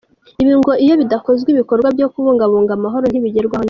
Ibi ngo iyo bidakozwe ibikorwa byo kubungabunga amahoro ntibigerwaho neza.